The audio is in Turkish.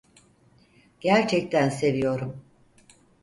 Gerçekten seviyorum.